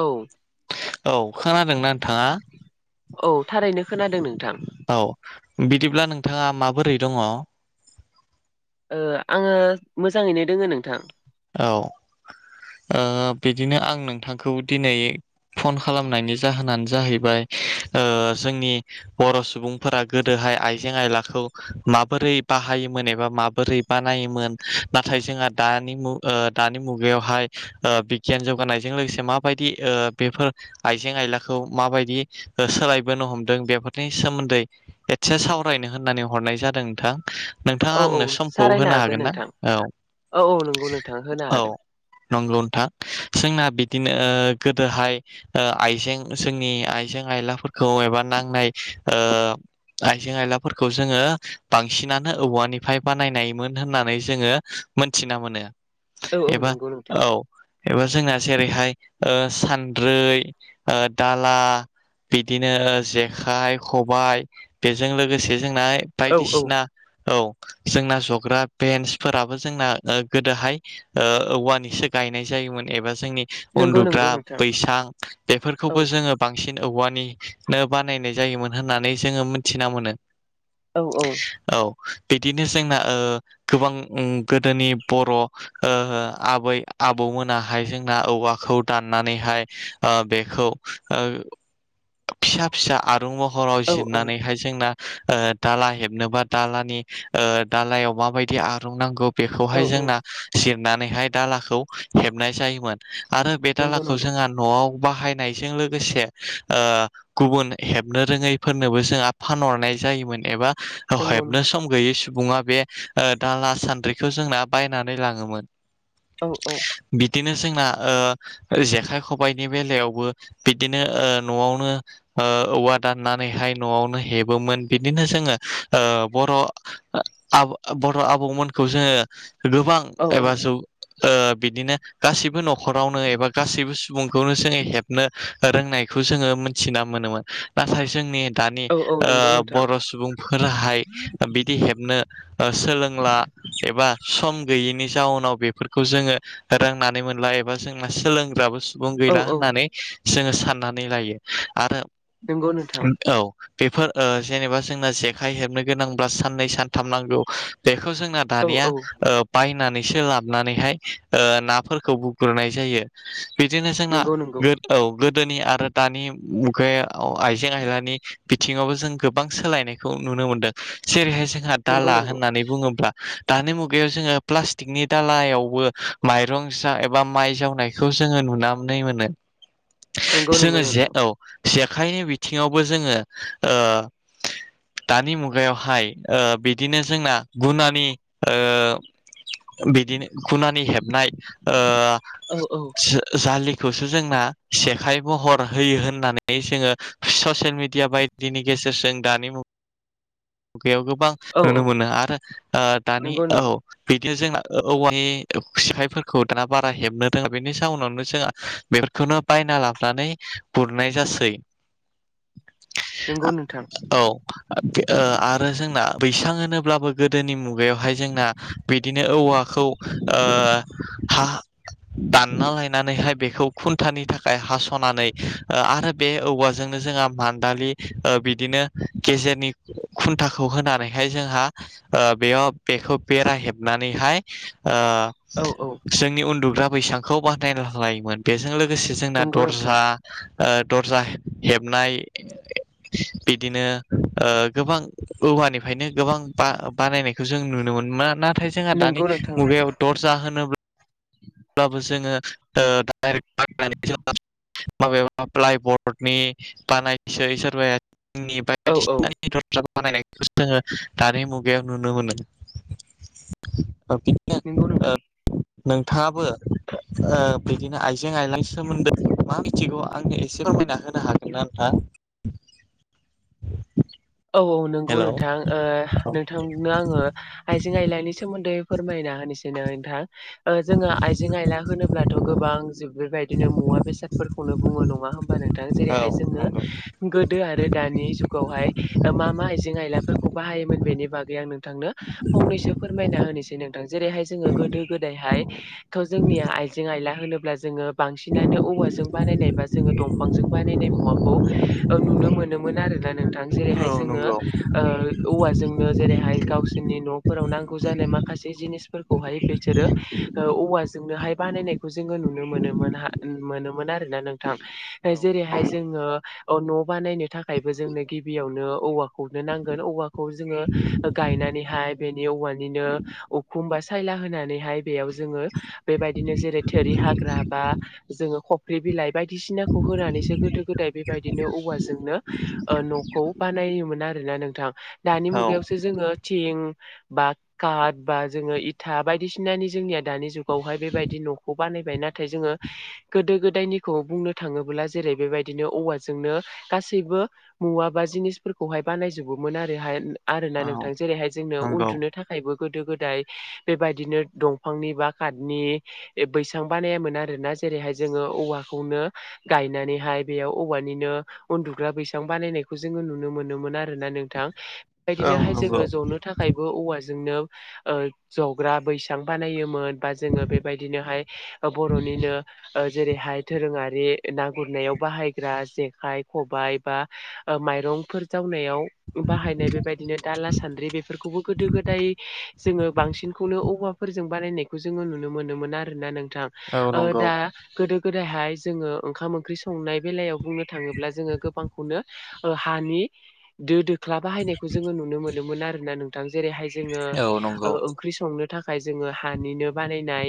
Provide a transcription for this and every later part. औ औ खोनादोंना नोंथाङा। औ थारैनो खोनादों नोंथां। औ बिदिब्ला नोंथाङा माबोरै दङ? ओ आंङो मोजांङैनो दोंङो नोंथां। औ बिदिनो आं नोंथांखौ दिनै फन खालामनायनि जाहोनानो जाहैबाय जोंनि ओ बर सुबुंफोरा गोदोहाय नाथाय आइजें आइलाखौ माबोरै बाहायोमोन एबा माबोरै बानायोमोन नाथाय जों दानि मु दानि मुगायावहाय बिगियान जौगानायजों लोगोसे माबायदि ओ बेफोर आइजें आलाखौ माबायदि सोलायबोनो हमदों बेफोरनि सोमोन्दै एसे सावरायनो होननानै नाय जादों नोंथां औ नोंथाङा औ आंनो समखौ सावरायनो होनो हागोन ना, नोंथां औ औ औ नंगौ नोंथां होनो औ हागोन नंगौ नोंथां जोंना बिदिनो गोदोहाय आइजें जोंनि आइजें आइलाफोरखौ एबा नांनाय ओ ओ आइजें आइलाफोरखौ जोंङो बांसिनानो औवानिफ्राय बानायनायमोन होननानै जोंङो मोनथिना मोनो। औ औ एबा नंगौ नोंथां। औ एबा जोंना जेरैहाय सानद्रै दाला, बिदिनो जेखाइ खबाइ बेजों लोगोसे जोंना औ औ बायदिसिना औ। जोंना जग्रा बेन्सफोराबो जोंना गोदोहाय औवानिसो गायनाय जायोमोन एबा जोंनि नंगौ उन्दुग्रा नंगौ नोंथां बैसां औ बेफोरखौबो जोंङो बां बांसिन औवानिनो बानायनाय जायोमोन होननानै जोंङो मिथिना मोनो। औ औ। औ बिदिनो जोंना ओ गोबां गोदोनि बर' ओ आबै आबौमोनाहाय जोंना औवाखौ दाननानैहाय बेखो खौ फिसा फिसा आरुं महराव औ जिरनानैहाय जोंना दाला हेबनोबा दालानि दालायाव माबायदि आरुं नांगौ बेखौहाय औ औ जोंना जिरनानैहाय दालाखौ हेबनाय जायोमोन। आरो बे नंगौ दालाखौ नंगौ जोंहा नआव बाहायनायजों लोगोसे गुबुन हेबनो रोङैफोरनोबो जोंहा फानहरनाय जायोमोन एबा नंगौ हेबनो नंगौ सम गैयै सुबुंआ बे दा ला सान्द्रिखौ जोंना बाय नानै लांङोमोन। औ औ। बिदिनो जोंना जेखाइ खबाइनि बेलायावबो बिदिनो नआवनो औवा दाननानैहाय नआवनो हेबोमोन बिदिनो जोंङो ओ बर आब बर आबौमोनखौ जोंङो गोबां औ एबा जौ बिदिनो गासिबो न खरावनो एबा गासैबो सुबुंखौनो जोंङो हेबनो रोंनायखौ जोंङो मोनथिना मोनोमोन नाथाय जोंनि दानि औ औ नंगौ नोंथां बर सुबुंफोराहाय बिदि हेबनो सोलोंला एबा। सम गैयैनि जाउनाव बेफोरखौ जोंङो रोंनानै मोनला एबा जोंना सोलोंग्राबो सुबुं औ गैला औ होननानै जोंङो साननानै लायो आरो नंगौ नोंथां। औ बेफोर ओ जेनेबा जोंना जेखाइ हेबनो गोनांब्ला साननै सानथाम नांगौ, बे खौ जोंना औ दानिया औ बायनानै सोलाबनानैहाय नाफोरखौ बुगुरनाय जायो। बिदिनो जोंना नंगौ नंगौ औ गोदोनि आरो दानि मुगाया आइजें आयलानि बिथिङावबो जों गोबां सोलायनायखौ नुनो मोनदों जेरैहाय जोंहा नंगौ दाला नंगौ होननानै बुङोब्ला दानि मु गायाव जोङो प्लास्टिकनि दालायावबो माइरं जा एबा माइ जावनायखौ जोङो नुना मो नंगौ नंगौ जोङो जे नोंथां औ। जेखाइ बिथिङावबो जोङो दानि मुगायावहाय बिदिनो जोंना गुनानि बिदिनो गुनानि हेबनाय औ औ जालि खौसो जोंना जेखाय महर होयो होननानै जोङो ससियेल मिडिया बायदिनि गेजेराव बिसोर जों दानि मु बेयाव गोबां औ नुनो औ मोनो आरो दानि नंगौ औ नंगौ बिदिनो जोंना औवानि सिफायफोरखौ दाना बारा हेबनो रोङा बेनि जाउनावनो जोंहा बे बेखौनो बायना लाबोनानै गुरनाय जासै नंगौ नोंथां औ आरो जोंना बैसां होनोब्लाबो गोदोनि मुं गा बेवहाय जोंना बिदिनो औवाखौ हा दानना लायनानैहाय बेखौ खुन्थानि थाखाय हास'नानै आरो बे औवाजोंनो जोंहा मान्दालि बिदिनो गेजेरनि खुन्थाखौ होनानैहाय जोंहा बेयाव बेखौ बेरा हेबनानैहाय औ औ जोंनि दुग्रा बैसांखौ बाहनाय लायोमोन बेजों लोगोसे जोंना नंगौ नोंथां दरजा दरजा हेबनाय बिदिनो गोबां औवानिफ्रायनो गोबां बा बानायनाय जों नुनो मोना नाथाय जोंहा नंगौ दानि नोंथां औ मुगायाव दर्जा होनोब्ला अब्लाबो जोङो डाइरेक्ट बाखनानै जों माबेबा प्लाइ बरर्डनि बानायसै सोरबाया आंनि औ औ बायदिसिना बानायनायखौ जोङो दानि मुगायाव नुनो मोनो नंगौ नोंथां बिथाङाबो बिदिनो आइजें आइलानि सोमोन्दै मा मिथिगौ आंनो एसे फोरमायना हो होनो हागोना नोंथां औ औ नंगौ हेलौ नोंथां नोंथांनो आङो आइजें आयलानि सोमोन्दै फोरमायना होनोसैनो नोंथां ओ जोङो आइजें आयला होनोब्लाथ' गोबां बेबायदिनो मुवा बेसादफोरखौनो बुङो नङा होनबानो नोंथां औ जेरैहाय जोङो नंगौ गोदो आरो दानि जुगावहाय ओ, मा आइजें आइलाफोरखौ बाहायोमोन बेनि बागै आं नों थांनो फंनैसो फोरमायना होनोसै नोंथां जेरैहाय जोङो गोदो गोदायहाय जोंनिया आइजें आइला होनोब्ला जोङो बांसिनानो औवाजों बानायनाय बा जोङो दंफांजों बानायनाय मुवाखौ नुनो मोनोमोन आरो नों नोंथां जेरैहाय औ जोङो नंगौ औवाजोंनो जेरैहाय गावसोरनि न'फोराव नांगौ जानाय माखासे जिनिस फौरखौहाय बिसोरो औवाजोंनो हाय बानायनायखौ जों नुनो मोनोमोन हा मोनोमोन आरो ना नोंथां औ जेरैहाय जोङो न' बानायनो थाखायबो जोंनो गिबियावनो औवाखौनो नांगोन औवाखौ जोङो गायनानैहाय बेनि औवानिनो उखुम बा सायला होनानैहाय बेयाव जोङो बेबायदिनो जेरै थोरि हाग्रा बा जोङो फुख्रि बिलाइ बायदिसिनाखौ होनानैसो गोदो गोदाय बेबायदिनो औवाजोंनो न'खौ बानायोमोन आरोना नोंथां दानि औ मुगायावसो जोङो तिं बा काठ बा जोङो इथा बायदिसिनानि जोंनिया दानि जुगावहाय बेबायदि नुनो न'खौ बानायबाय नाथाय जोङो गोदो गोदायनिखौ बुंनो थाङोब्ला जेरै बेबायदिनो औवाजोंनो गासैबो मुवा बा जिनिस फोरखौहाय बानायजोबोमोन आरोहाय आरो ना औ नोंथां जेरैहाय जोंनो नंगौ उन्दुनो थाखायबो गोदो गोदाय बेबायदिनो दंफांनि बा कातनि बैसां बानायामोन आरोना जेरैहाय जोङो औवाखौनो गायनानैहाय बेयाव औवानिनो उन्दुग्रा बैसां बानायनायखौ जोङो नुनो मोनोन आरोना नोंथां औ बेबायदिनोहाय नंगौ जोङो जनो थाखायबो औवा जोंनो ओ जग्रा बैसां बानायोमोन बा बेबायदिनोहाय बर'नि बिदिनो जेरैहाय दोरोङारि ना गुरनायाव बाहायग्रा जेखाइ खबाइ बा ओ माइरं फोर जावनायाव बाहायनाय बेबायदिनो दाला सान्द्रि बेफोरखौबो गोदो गोदाय जोंङो बांसिनखौनो औवाफोरजों बानायनायखौ जोंङो नुनो मोनोम मोनोमोन आरोना नोंथां। औ नंगौ दा गोदो गोदायहाय जोंङो ओंखाम ओंख्रि संनाय बेलायाव बुंनो थाङोब्ला जोङो गोबांखौनो हानि दो दोख्ला बाहायनायखौ जोंङो नुनो मोनोमोन आरो ना नोंथां जेरैहाय जोंङो औ नंगौ ओंख्रि संनो थाखाय जोंङो हानिनो बानायनाय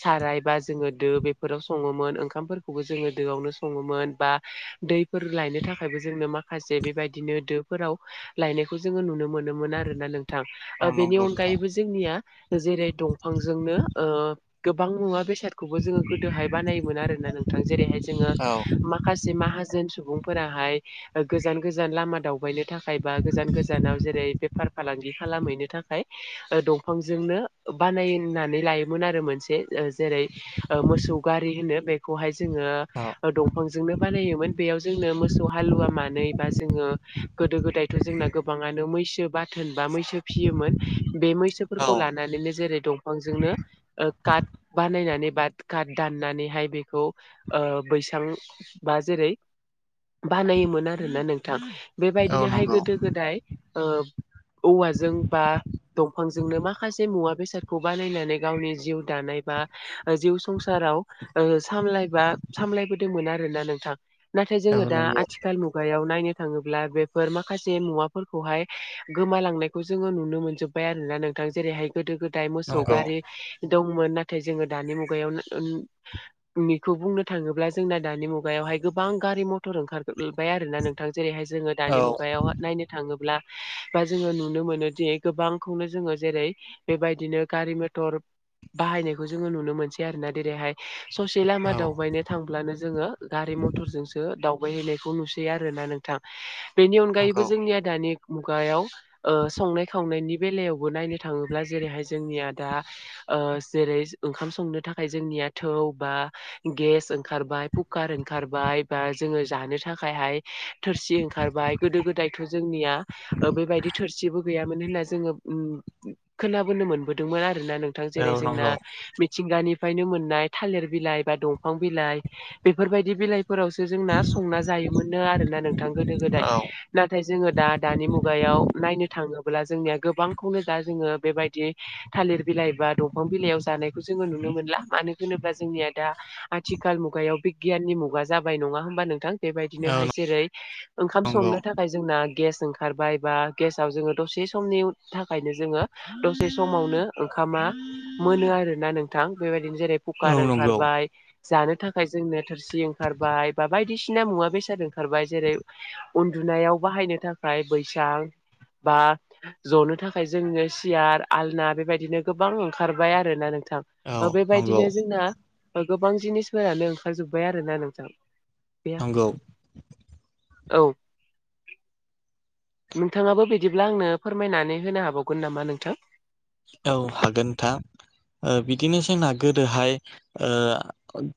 साराय बा जोंङो दो बेफोराव सङोमोन ओंखामफोरखौ जोंङो दोआवनो सङोमोन बा दैफोर लायनो थाखायबो जोंनो माखासे बेबायदि बिदिनो दोफोराव लायनायखौ जोंङो नुनो मोनोमोन आरो ना नों थां औ बेनि नंगौ नोंथां अनगायैबो जोंनिया जेरै दंफांजोंनो ओ गोबां मुवा बेसाद खौबो जोंङो गोदोहाय बानायोमोन आरोना नोंथां जेरैहाय जोङो औ माखासे माहाजोन सुबुंफोरा हाय गोजान गोजान गोजान लामा दावबायनो थाखाय बा गोजान गोजानाव जेरै बेफार फालांगि खालामहैनो थाखाय दंफांजोंनो बानायनानै लायोमोन आरो मोनसे जेरै मोसौ गारि होनो। बेखौहाय जोंङो औ दंफां जोंनो बानायोमोन बेयाव जोंनो मोसौ हालुवा मानै जोंङो गोदो गोदायथ' जोंना गोबांङानो मैसो बाथोन बा मैसो फिसियोमोन। बे औ मैसोफोरखौ लानानैनो जेरै दंफांजोंनो काट बानायनानै बाद कात दननानैहाय बेखौ ओ बैसां बा जेरै बानायोमोन आरोना नोंथां औ बेबायदिनोहाय नंगौ गोदो गोदाय ओ औवाजों बा दंफांजोंनो माखासे मुवा बेसादखौ बानायनानै गावनि जिउ दानाय बा जिउ संसाराव सामलायबा ओ सामलायबोदोंमोन आरोना नोंथां। नाथाय औ जोंङो दा नंगौ आथिखाल मुगायाव नायनो थाङोब्ला बेफोर माखासे मुवाफोरखौहाय गोमालांनायखौ जोंङो नुनो मोनजोब्बाय आरोना नोंथां जेरैहाय गोदो गोदाय मोसौ नंगौ गारि दंमोन नाथाय जोंङो दानि मुगायाव बेखौ बुंनो थाङोब्ला जोंना दानि मुगायाव बेवहाय गोबां गारि मथर ओंखारोबबाय आरोना नोंथां जेरैहाय जोंङो औ दानि मुगायाव नायनो थाङोब्ला बा जोंङो नुनो मोनोदि गोबांखौनो जोंङो जेरै बेबायदिनो गारि मथर बाहायनायखौ जोंङो नुनो मोनसै आरोना जेरैहाय ससे लामा औ दावबायनो थांब्लानो जोंङो गारि मथरजोंसो दावबायहैनायखौ नुसै आरोना नोंथां बेनि अनगायैबो नंगौ जोंनिया दानि मुगायाव ओ संनाय खावनायनि बेलायावबो नायनो थाङोब्ला जेरैहाय जोंनिया दा ओ जेरै ओंखाम संनो थाखाय जोंनि थौ बा गेस ओंखारबाय कुखार ओंखारबाय बा जोंङो जानो थाखाय थाखायहाय थोरसि ओंखारबाय गोदो गोदायथ' जोंनिया बेबायदि थोरसिबो गैयामोन होननानै जोंङो खोनाबोनो मोनबोदोंमोन आरोना नोंथां औ जेरै जोंना नंगौ मिथिंगानिफ्रायनो मोननाय थालिर बिलाइ बा दंफां बिलाइ बेफोरबायदि बिलाइ फोरावसो जोंना संना जायो मोननो आरोना नोंथां गोदो गोदाय औ नाथाय जोंङो दा दानि मुगायाव नायनो थाङोब्ला जोंनिया गोबांखौनो दा जोंङो बेबायदि थालिर बिलाइ बा दंफां बिलाइयाव जानायखौ जोंङो नुनो मोनला। मानो होनोबा जोंनिया दा आथिखाल मुगायाव बिगियाननि मुगा जाबाय नङा होमबा नोंथां। औ बिदिनोहाय जेरै ओंखाम नंगौ संनो थाखाय जोंना गेस ओंखारबाय बा गेसाव जोंङो दसे समनि थाखायनो जोंङो दसे समावनो ओंखामा मोनो आरोना नोंथां बेबायदिनो जेरै कुकार औ नंगौ ओंखारबाय जानो थाखाय जोंनो थोरसि ओंखारबाय बा बायदिसिना मुवा बेसे जादों ओंखारबाय जेरै उन्दुनायाव बाहायनो थाखाय बैसां बा जनो थाखाय जोंनो सियार आलना बेबायदिनो गोबां ओंखारबाय आरोना नों थां औ नंगौ बेबायदिनो जोंना गोबां जिनिसफोरानो ओंखारजोबबाय आरोना नोंथां। नंगौ। औव नोंथाङाबो बिदिब्ला आंनो फोरमायनानै होनो हाबावगोन नामा नोंथां। औव हागोनथा ओ बिदिनो जोंना गोदोहाय ओ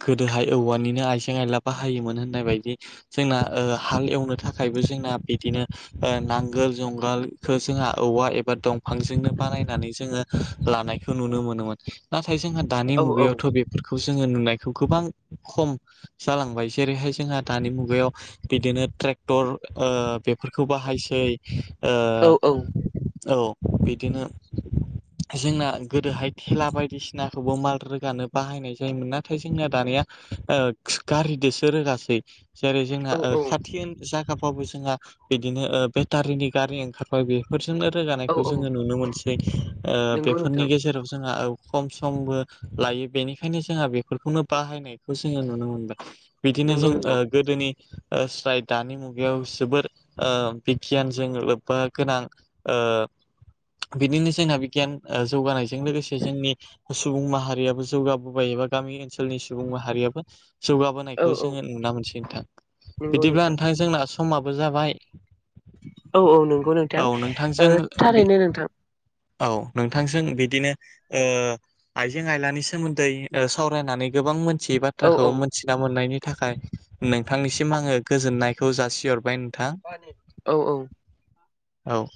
गोदोहाय औवानिनो आइजें आयला बाहायो होननाय बायदि जोंना हाल एवनो थाखायबो जोंना बिदिनो ओ नांगोल जं उवालखौ जोंहा औवा एबा दंफांजोंनो बानायनानै जोङो लानायखौ नुनो मोनोमोन नाथाय जोंहा दानि औ औ मुगायावथ' बेफोरखौ खौ जोङो नुनायखौ गोबां खम जालांबाय जेरैहाय जोंहा दानि मुगायाव बिदिनो ट्रेक्टर ओ बेफोरखौ बाहायसै औव औव औव बिदिनो जोंना गोदोहाय थेला बायदिसिनाखौबो माल रोगानो बाहायनाय जायोमोन। नाथाय जोंनिया दानिया ओ गारिजोंसो रोगासै जेरै जोंना औ औ खाथि जा [unintelligible] बिदिनो ओ बेटारिनि गारि ओंखारबाय बेफोरजोंनो औ रोगानायखौ औ जोङो नुनो मोनसै नंगौ बेफोरनि नोंथां गेजेराव जोंहा खम समबो लायो बेनिखायनो जोंहा बेफोरखौनो बाहायनायखौ जोङो नुनो मोनदों। बिदिनो नंगौ जों ओ नंगौ गोदोनि ओ स्राय दानि मुगायाव जोबोर ओ बिगियानजों लोब्बा गोनां ओ [unintelligible] बिदिनो जोंना बिगियान ओ जौगानायजों लोगोसे जोंनि सुबुं माहारियाबो जौगाबोबायो एबा गामि ओनसोलनि सुबुं माहारियाबो औ जौगाबोनायखौ औ जोङो नुना मोनसै नोंथां। बिदिब्ला नोंथां जोंना समाबो जाबाय। औव औव नंगौ नोंथां औ थारैनो नोंथां। औव नोंथांजों बिदिनो ओ आइजें आइलानि सोमोन्दै सावरायनानै गोबां मोन थि औ बाथ्राखौ औ मोनथिना मोननायनि थाखाय नोंथांनिसिम आङो गोजोननायखौ जासिहरबाय नोंथां औव औव। औव।